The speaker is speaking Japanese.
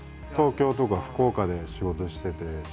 東京とか福岡で仕事してて。